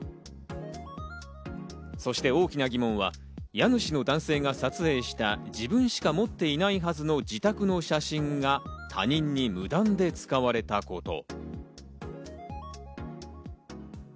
そして大きな疑問は家主の男性が撮影した自分しか持っていないはずの自宅の写真が他人に無断で使われたこと。